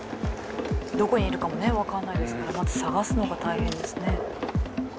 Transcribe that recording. どこにいるかもねわからないですからまず探すのが大変ですね。